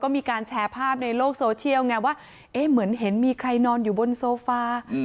มีการแชร์ภาพในโลกโซเชียลไงว่าเอ๊ะเหมือนเห็นมีใครนอนอยู่บนโซฟา